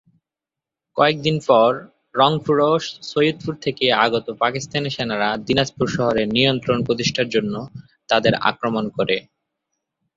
কয়েক দিন পর রংপুর ও সৈয়দপুর থেকে আগত পাকিস্তানি সেনারা দিনাজপুর শহরে নিয়ন্ত্রণ প্রতিষ্ঠার জন্য তাদের আক্রমণ করে।